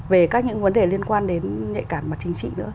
về các những vấn đề liên quan đến nhạy cảm mặt chính trị nữa